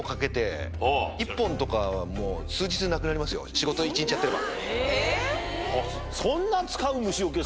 仕事一日やってれば。